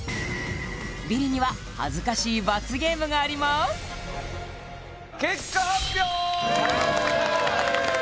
ビリには恥ずかしい罰ゲームがあります結果発表！